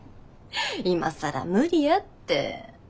今更無理やって。